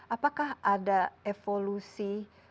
apakah ada evolusi